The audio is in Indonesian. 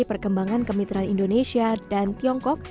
perkembangan kemitraan indonesia dan tiongkok